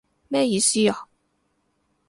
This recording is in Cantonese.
咩意思啊？